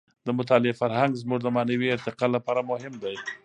د مطالعې فرهنګ زموږ د معنوي ارتقاع لپاره مهم دی.